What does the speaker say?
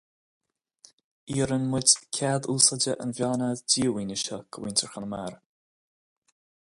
Iarraimid cead úsáide an mheánfhad díomhaoine seo do mhuintir Chonamara.